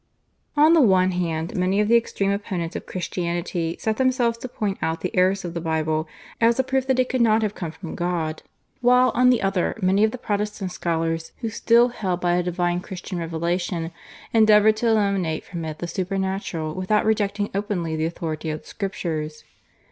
On the one hand, many of the extreme opponents of Christianity set themselves to point out the errors of the Bible, as a proof that it could not have come from God, while, on the other, many of the Protestant scholars, who still held by a divine Christian revelation, endeavoured to eliminate from it the supernatural without rejecting openly the authority of the Scriptures.